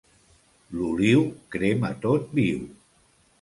L'oliu crema tot viu.